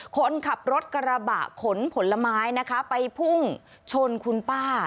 คนขับรถกระบะขนผลไม้นะคะไปพุ่งชนคุณป้า